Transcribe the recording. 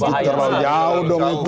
wah kalau itu terlalu jauh dong itu